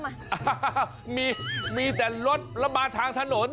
อ่ามีมีแต่รถแล้วมาทางถนน